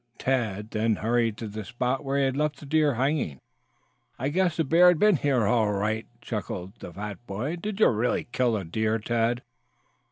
Tad then hurried to the spot where he had left the deer hanging. "I guess the bear has been here all right," chuckled the fat boy. "Did you really kill a deer, Tad?"